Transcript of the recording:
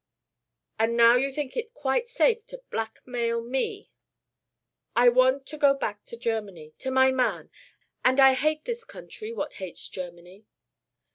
"And now you think it quite safe to blackmail me?" "I want to go back to Germany to my man and I hate this country what hates Germany."